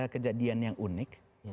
kejadian yang unik